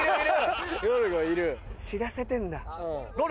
知らせてんだ。